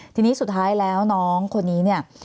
ทีนี้สุดท้ายแล้วน้องคนนี้เนี่ย